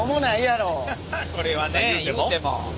これはねいうても。